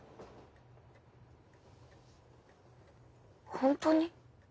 本当に？